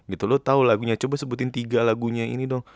gitu lo tau lagunya coba sebutin tiga lagunya ini dong